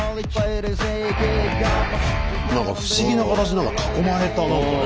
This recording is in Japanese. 何か不思議な形何か囲まれた何かね。